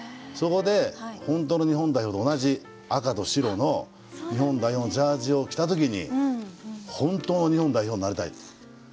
そこで本当の日本代表と同じ赤と白の日本代表のジャージを着た時に本当の日本代表になりたいと。